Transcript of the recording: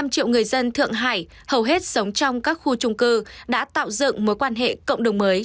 năm triệu người dân thượng hải hầu hết sống trong các khu trung cư đã tạo dựng mối quan hệ cộng đồng mới